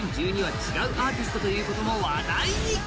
違うアーティストということも話題に。